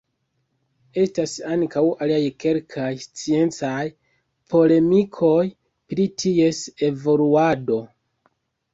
Estas ankaŭ aliaj kelkaj sciencaj polemikoj pri ties evoluado.